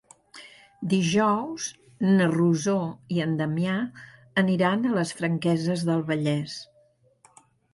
Dijous na Rosó i en Damià aniran a les Franqueses del Vallès.